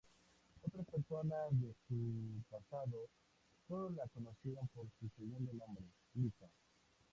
Otras personas de su pasado sólo la conocieron por su segundo nombre, Lisa.